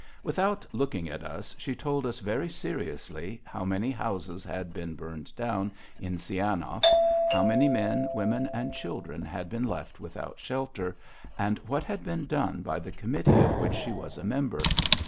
Without looking at us, she told us very seriously how many houses had been burned down in Sianov, how many men, women, and children had been left without shelter, and what had been done by the committee of which she was a member.